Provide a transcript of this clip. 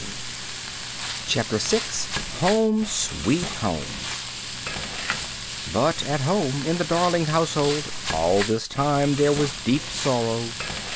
] PART VI HOME, SWEET HOME But at home in the Darling household all this time there was deep sorrow.